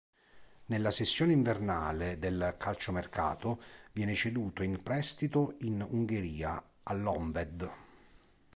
Nella sessione invernale del calciomercato viene ceduto in prestito in Ungheria, all'Honvéd.